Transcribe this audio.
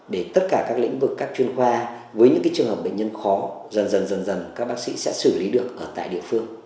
để tất cả các lĩnh vực các chuyên khoa với những trường hợp bệnh nhân khó dần dần các bác sĩ sẽ xử lý được ở tại địa phương